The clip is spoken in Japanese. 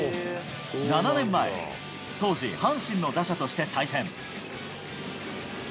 ７年前、当時、阪神の打者として対戦。